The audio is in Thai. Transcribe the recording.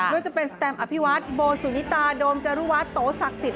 โดยจะเป็นแสตมป์อภิวัติโบสุนิตาโดมจรุวัตต์โตศักดิ์สิทธิ์